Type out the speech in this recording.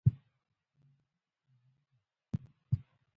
سمندر طبیعي دی.